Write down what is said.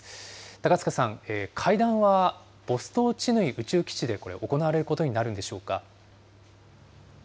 高塚さん、会談はボストーチヌイ宇宙基地でこれ、行われることになるんでし